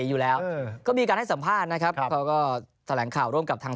อยู่แล้วก็มีการให้สัมภาษณ์นะครับเขาก็แถลงข่าวร่วมกับทาง